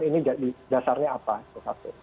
ini dasarnya apa